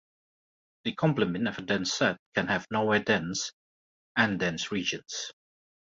The complement of a dense set can have nowhere dense, and dense regions.